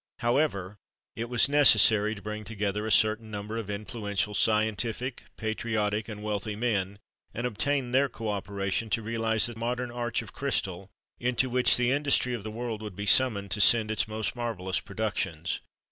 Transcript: However, it was necessary to bring together a certain number of influential, scientific, patriotic, and wealthy men, and obtain their co operation to realise that modern arch of crystal, into which the industry of the world would be summoned to send its most marvellous productions.